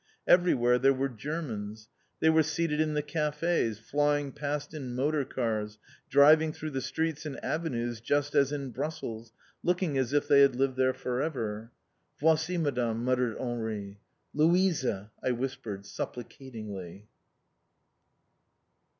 Everywhere there were Germans. They were seated in the cafés, flying past in motor cars, driving through the streets and avenues just as in Brussels, looking as if they had lived there for ever. "Voici, Madame!" muttered Henri. "Louisa!" I whispered supplicatingly.